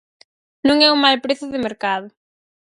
Non é un mal prezo de mercado.